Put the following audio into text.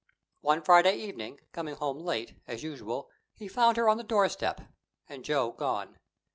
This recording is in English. One Friday evening, coming home late, as usual, he found her on the doorstep, and Joe gone.